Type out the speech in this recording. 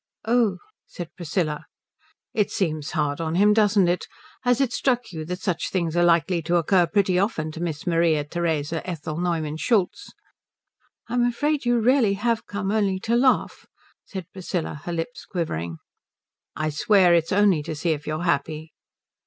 "Oh," said Priscilla. "It seems hard on him, don't it? Has it struck you that such things are likely to occur pretty often to Miss Maria Theresa Ethel Neumann Schultz?" "I'm afraid you really have come only to laugh," said Priscilla, her lips quivering. "I swear it's only to see if you are happy."